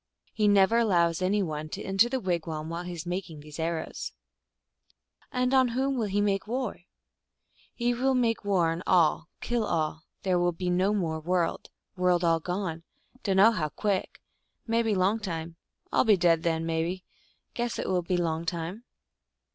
He never allows any one to enter the wigwam while he is making these arrows." " And on ivhom will lie make war ?"" He will make war on all, kill all ; there will be no more world, GLOOSKAP THE DIVINITY. 131 world all gone. Dtmno how quick, mebbe long time ; all be dead then, mebbe, guess it will be long time."